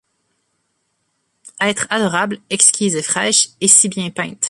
Etre adorable, exquise et fraîche, et si bien peinte